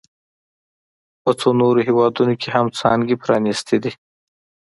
په څو نورو هېوادونو کې هم څانګې پرانیستي دي